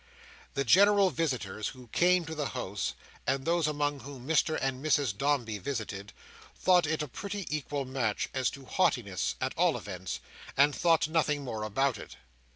The general visitors who came to the house, and those among whom Mr and Mrs Dombey visited, thought it a pretty equal match, as to haughtiness, at all events, and thought nothing more about it.